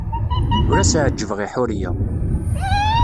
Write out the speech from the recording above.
Ur as-ɛejjbeɣ i Ḥuriya.